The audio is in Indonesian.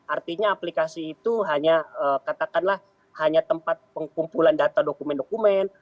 artinya aplikasi itu hanya katakanlah hanya tempat pengumpulan data dokumen dokumen